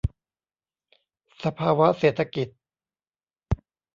สภาวะเศรษฐกิจ